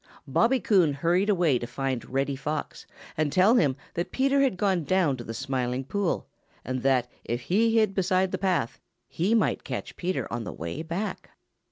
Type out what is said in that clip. Bobby Coon hurried away to find Reddy Fox and tell him that Peter had gone down to the Smiling Pool, and that if he hid beside the path, he might catch Peter on the way back.